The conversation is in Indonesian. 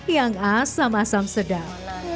yang asam asam sedap